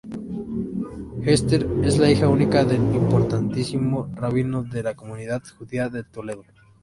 Esther es la hija única del importantísimo rabino de la comunidad judía de Toledo.